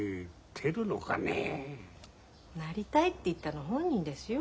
なりたいって言ったの本人ですよ。